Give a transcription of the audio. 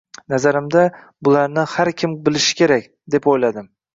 Nazarimda, bularni har kim bilishi kerak, deb o`yladim